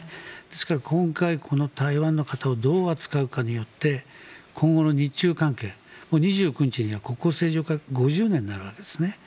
ですから、今回、この台湾の方をどう扱うかによって今後の日中関係２９日には国交正常化５０年になるわけですね。